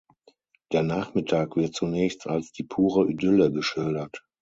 Der Nachmittag wird zunächst als die pure Idylle geschildert.